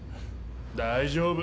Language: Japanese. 大丈夫。